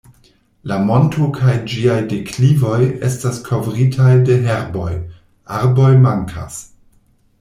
La monto kaj ĝiaj deklivoj estas kovritaj de herboj, arboj mankas.